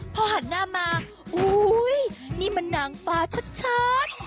พอหันหน้ามาอุ้ยนี่มันนางฟ้าชัด